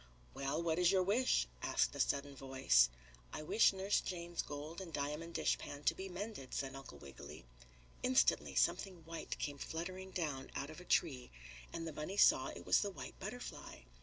"Well, what is your wish?" asked a sudden voice. "I wish Nurse Jane's gold and diamond dishpan to be mended," said Uncle Wiggily. Instantly something white came fluttering down out of a tree, and the bunny saw it was the white butterfly.